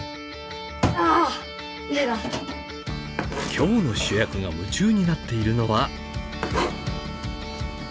今日の主役が夢中になっているのは。